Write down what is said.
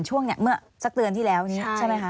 ช่วงเนี่ยเมื่อสักเดือนที่แล้วนี้ใช่ไหมคะ